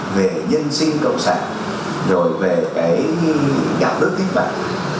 về nhân sinh cộng sản rồi về cái đạo đức kinh tạng